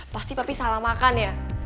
pasti tapi salah makan ya